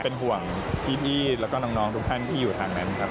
เป็นห่วงพี่แล้วก็น้องทุกท่านที่อยู่ทางนั้นครับ